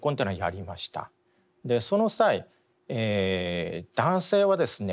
その際男性はですね